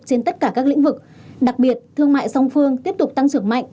trên tất cả các lĩnh vực đặc biệt thương mại song phương tiếp tục tăng trưởng mạnh